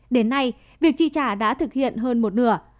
đến nay việc chi trả đã thực hiện hơn một nửa